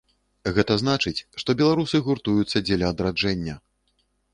Гэта значыць, што беларусы гуртуюцца дзеля адраджэння.